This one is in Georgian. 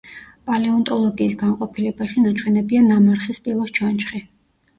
პალეონტოლოგიის განყოფილებაში ნაჩვენებია ნამარხი სპილოს ჩონჩხი.